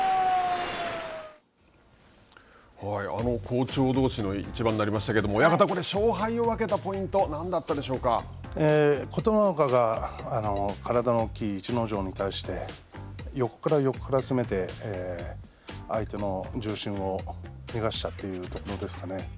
好調どうしの一番になりましたけれども、親方、これ勝敗を分け琴ノ若が体の大きい逸ノ城に対して、横から横から攻めて相手の重心を逃げたというのですかね。